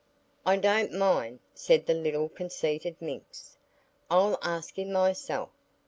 "I don't mind," said the little conceited minx, "I'll ask him myself."